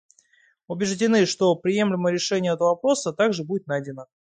Убеждены, что приемлемое решение этого вопроса также будет найдено.